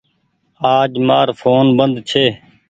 آج مآر ڦون بند ڇي